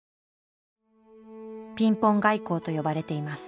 ピンポン外交と呼ばれています。